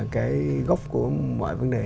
cái gốc của mọi vấn đề